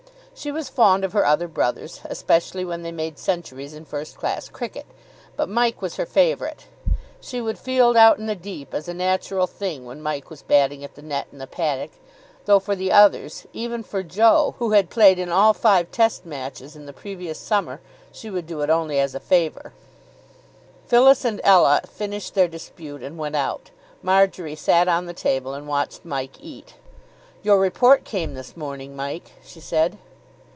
She was fond of her other brothers, especially when they made centuries in first class cricket, but Mike was her favourite. She would field out in the deep as a natural thing when Mike was batting at the net in the paddock, though for the others, even for Joe, who had played in all five Test Matches in the previous summer, she would do it only as a favour. Phyllis and Ella finished their dispute and went out. Marjory sat on the table and watched Mike eat. "Your report came this morning, Mike," she said.